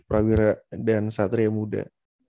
prawira dan satria muda